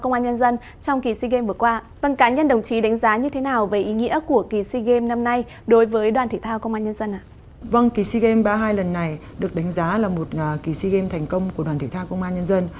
vâng kỳ sea games ba mươi hai lần này được đánh giá là một kỳ sea games thành công của đoàn thể thao công an nhân dân